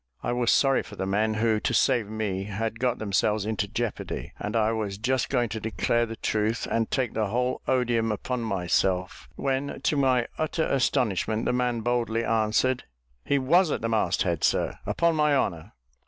I was sorry for the men, who, to save me, had got themselves into jeopardy; and I was just going to declare the truth, and take the whole odium upon myself, when, to my utter astonishment, the man boldly answered, "He was at the mast head, sir, upon my honour."